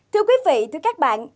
thưa quý vị thưa các bạn